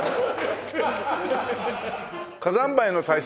火山灰の対策